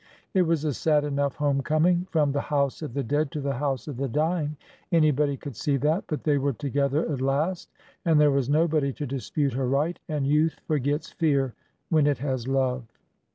It was a sad enough home coming — from the house of the dead to the house of the dying — anybody could see that; but they were together at last, and there was nobody to dispute her right, and Youth forgets Fear when it has Love.